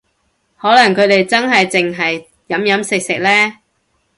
可能佢哋真係淨係飲飲食食呢